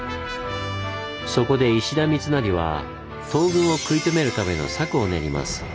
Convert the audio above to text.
そこで石田三成は東軍を食い止めるための策を練ります。